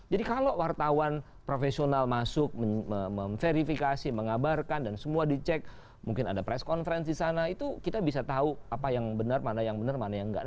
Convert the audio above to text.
jadi kalau wartawan profesional masuk memverifikasi mengabarkan dan semua dicek mungkin ada press conference di sana itu kita bisa tahu apa yang benar mana yang benar mana yang tidak